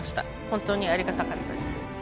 本当にありがたかったです。